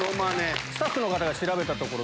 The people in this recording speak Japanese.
スタッフの方が調べたところ。